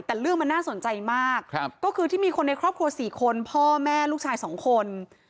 แต่เรื่องมันน่าสนใจมากก็คือที่มีคนในครอบครัว๔คนพ่อแม่ลูกชาย๒คน